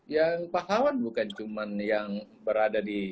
ya pak kawan bukan cuma yang berada di